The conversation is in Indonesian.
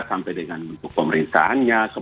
sampai dengan bentuk pemerintahannya